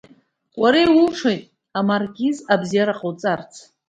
Уара иулшоит, амаркиз, абзиара ҟауҵарц.